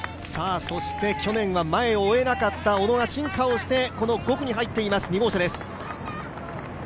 去年は前を追えなかった小野が進化して、この５区に入っています、２号車です